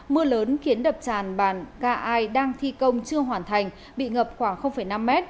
mưa lớn khiến đập tràn bản ca ai đang thi công chưa hoàn thành bị ngập khoảng năm mét